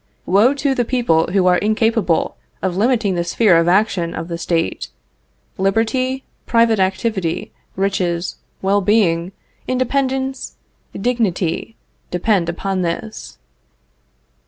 Woe to the people who are incapable of limiting the sphere of action of the State. Liberty, private activity, riches, well being, independence, dignity, depend upon this.